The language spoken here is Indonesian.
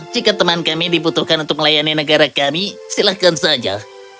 jika teman kami dibutuhkan untuk melayani negara kami silahkan saja